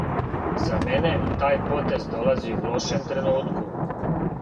За мене, тај потез долази у лошем тренутку.